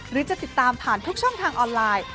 หรือจะติดตามผ่านทุกช่องทางออนไลน์